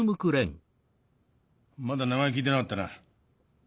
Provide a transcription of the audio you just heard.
まだ名前聞いてなかったな。